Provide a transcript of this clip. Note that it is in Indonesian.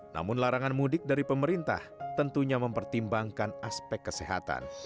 namun larangan mudik dari pemerintah tentunya mempertimbangkan aspek kesehatan